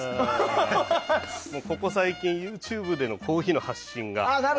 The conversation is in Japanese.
ここ最近、ＹｏｕＴｕｂｅでのコーヒーの発信が。